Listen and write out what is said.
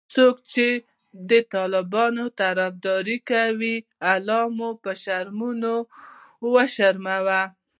څوک چې د طالبانو طرفدارې کوي الله مو به شرمونو وشرموه😖